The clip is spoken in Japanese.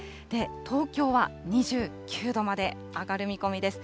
東京は２９度まで上がる見込みです。